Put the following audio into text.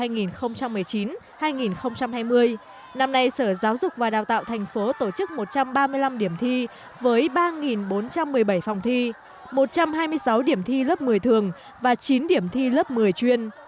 năm học hai nghìn một mươi chín hai nghìn hai mươi năm nay sở giáo dục và đào tạo tp hcm tổ chức một trăm ba mươi năm điểm thi với ba bốn trăm một mươi bảy phòng thi một trăm hai mươi sáu điểm thi lớp một mươi thường và chín điểm thi lớp một mươi chuyên